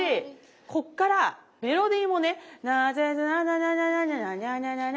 こっからメロディーもね。